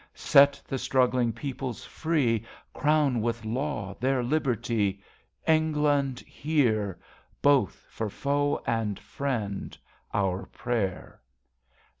... Set the struggling peoples free, Crown with Law their Liberty ! England, hear, Both for foe and friend, our prayer